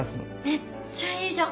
めっちゃいいじゃん！